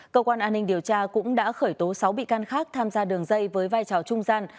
cơ quan an ninh điều tra cũng đã khởi tố sáu bị can khác tham gia đường dây với vai trò trung gian